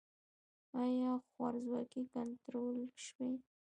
آیا خوارځواکي کنټرول شوې؟